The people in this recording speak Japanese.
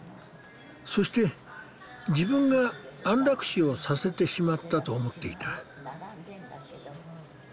そして自分が安楽死をさせてしまったと思っていた。